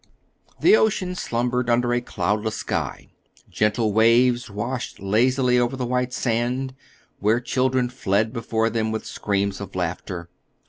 The ocean slumbered under a cloudless sky. Gentle waves washed lazily over the white sand, where children fled before them with screams of laughter.